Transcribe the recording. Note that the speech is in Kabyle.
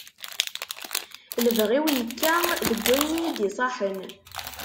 Lebɣi-w yekka deg wayen iyi-d-iṣaḥen.